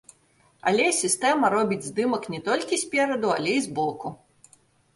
Але сістэма робіць здымак не толькі спераду, але і збоку.